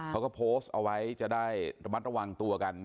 เขาก็โพสต์เอาไว้จะได้ระมัดระวังตัวกัน